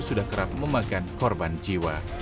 sudah kerap memakan korban jiwa